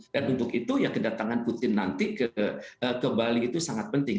dan untuk itu ya kedatangan putin nanti ke bali itu sangat penting